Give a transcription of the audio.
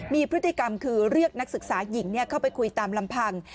มีพฤติกรรมคือเรียกนักศึกษาหญิงเข้าไปคุยตามลำพัง